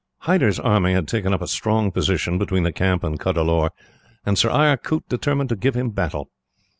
"Hyder's army had taken up a strong position, between the camp and Cuddalore, and Sir Eyre Coote determined to give him battle.